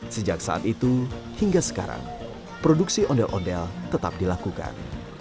sejak saat itu hingga sekarang produksi ondel ondel tetap dilakukan